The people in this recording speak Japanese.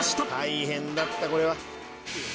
「大変だったこれは」